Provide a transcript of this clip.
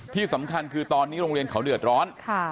ที่สำคัญคือตอนนี้โรงเรียนเขาเดือดร้อน